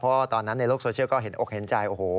เพราะว่าตอนนั้นในโลกโซเชียลก็เห็นอกเห็นใจโอ้โห